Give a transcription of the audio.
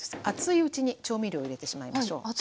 熱いうちに調味料を入れてしまいましょう。